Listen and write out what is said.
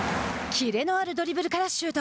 キレのあるドリブルからシュート。